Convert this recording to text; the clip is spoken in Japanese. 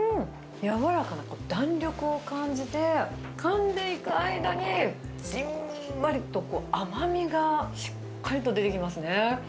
柔らかな弾力を感じて、かんでいく間にじんわりと甘みがしっかりと出てきますね。